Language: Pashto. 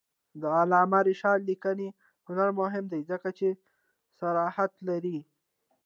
د علامه رشاد لیکنی هنر مهم دی ځکه چې صراحت لري.